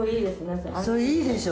そういいでしょ？